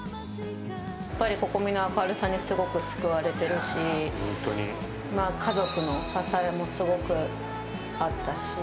やっぱり心々咲の明るさにすごく救われてるし、家族の支えもすごくあったし。